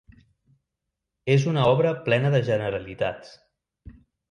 És una obra plena de generalitats.